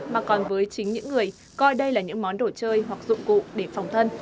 mà còn với chính những người coi đây là những món đồ chơi hoặc dụng cụ để phòng thân